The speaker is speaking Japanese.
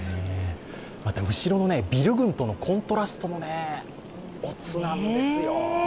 また後ろのビル群とのコントラストもおつなんですよ。